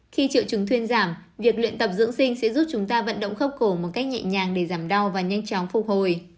khi triệu chứng thuyên giảm việc luyện tập dưỡng sinh sẽ giúp chúng ta vận động khớp cổ một cách nhẹ nhàng để giảm đau và nhanh chóng phục hồi